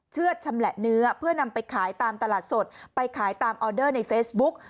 เชื่อดชำแหละเนื้อเพื่อนำไปขายตามตลาดสดไปขายตามออเดอร์ในเฟซบุ๊ก